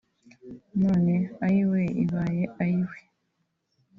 none ‘Ayiwe’ ibaye ‘Ayiwe’